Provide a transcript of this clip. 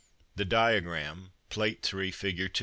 The diagram (Plate 3, fig.